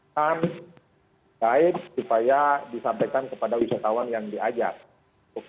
sangat baik supaya disampaikan kepada wisatawan yang diajak